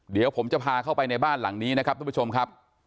เดี๋ยวผมจะพาเข้าไปในบ้านหลังนี้นะครับทุกผู้ชมครับ